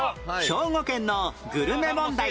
兵庫県のグルメ問題